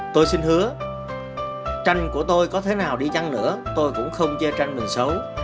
tôi xin hứa tranh của tôi có thế nào đi chăng nữa tôi cũng không che tranh mình xấu